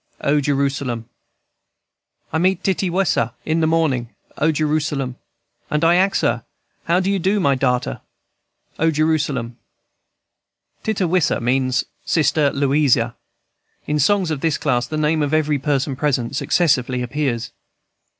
O Jerusalem! &c. "I meet Tittawisa early in de mornin', O Jerusalem! &c. And I ax her, How you do, my darter? O Jerusalem!" &c. "Tittawisa" means "Sister Louisa." In songs of this class the name of every person present successively appears.